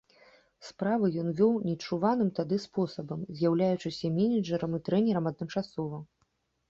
Справы ён вёў нечуваным тады спосабам, з'яўляючыся менеджарам і трэнерам адначасова.